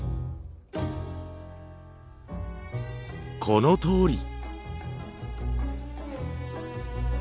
このとおり。